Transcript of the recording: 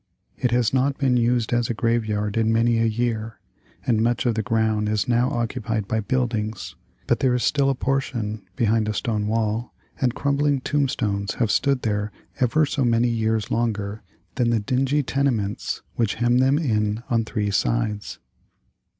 It has not been used as a graveyard in many a year, and much of the ground is now occupied by buildings. But there is still a portion, behind a stone wall, and crumbling tombstones have stood there ever so many years longer than the dingy tenements which hem them in on three sides.